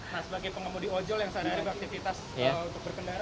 nah sebagai pengemudi ojol yang sadari beraktivitas berkendara